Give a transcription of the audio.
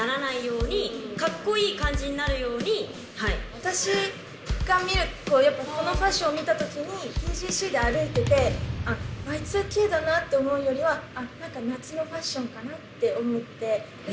私が見るとやっぱこのファッションを見た時にＴＧＣで歩いてて「Ｙ２Ｋだな」と思うよりはなんか「夏のファッションかな？」って思って。